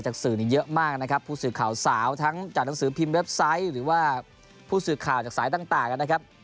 เท่านั้นเนี่ยครับบริษัทจะมีคำถามพูดที่จะไปกับผู้สื่อข่าวสาวทั้งจากหนังสือพิมพ์เว็บไซต์หรือว่าผู้สื่อข่าวจากสายต่างอ่ะนะครับ